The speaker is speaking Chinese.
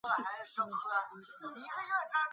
如下图所示。